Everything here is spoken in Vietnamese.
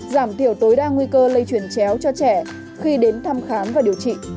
giảm thiểu tối đa nguy cơ lây truyền chéo cho trẻ khi đến thăm khám và điều trị